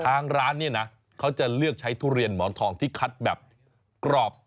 ทางร้านเนี่ยนะเขาจะเลือกใช้ทุเรียนหมอนทองที่คัดแบบกรอบ